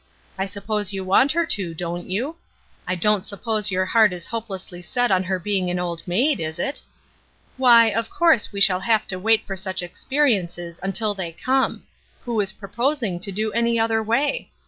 I suppose you want her to, don't you? I don't suppose your heart is hopelessly set on her being an old maid, is it? "Why, of course, we shall have to wait for such experiences, until they come. Who is pro posing to do any other way?